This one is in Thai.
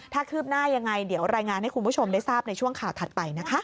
ถ้าคืบหน้ายังไงเดี๋ยวรายงานให้คุณผู้ชมได้ทราบในช่วงข่าวถัดไปนะคะ